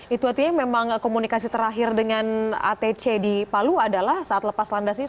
itu artinya memang komunikasi terakhir dengan atc di palu adalah saat lepas landas ini